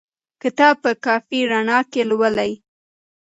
کتاب په کافي رڼا کې ولولئ.